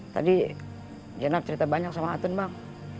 tadi jenab cerita banyak sama atun bang